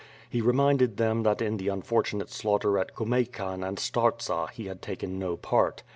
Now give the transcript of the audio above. He re minded them that in the unfortunate slaughter at Kumeykan and Startsa he had taken no part.